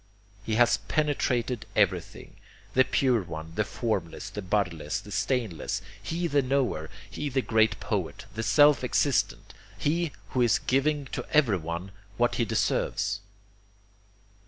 He has penetrated everything, the Pure One, the Formless, the Bodiless, the Stainless, He the Knower, He the Great Poet, the Self Existent, He who is giving to everyone what he deserves."